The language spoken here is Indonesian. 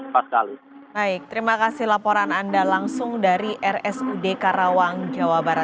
baik terima kasih laporan anda langsung dari rsud karawang jawa barat